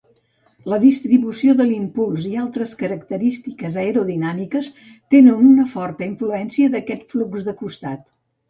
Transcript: La distribució de l'impuls i altres característiques aerodinàmiques tenen una forta influència d'aquest flux de costat.